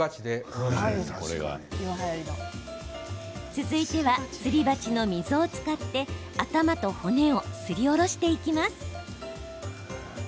続いては、すり鉢の溝を使って頭と骨をすりおろしていきます。